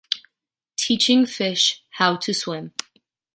Teaching fish how to swim.